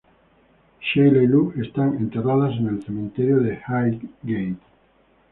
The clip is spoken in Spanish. Sheila y Lou están enterradas en el cementerio de Highgate.